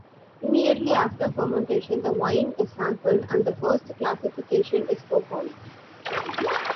Immediately after fermentation, the wine is sampled and the first classification is performed.